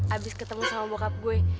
abis ketemu sama bokap gue